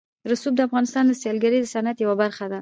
رسوب د افغانستان د سیلګرۍ د صنعت یوه برخه ده.